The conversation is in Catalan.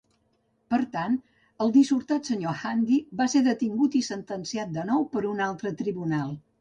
Per tant, el dissortat Sr. Handy va ser detingut i sentenciat de nou per un altre tribunal.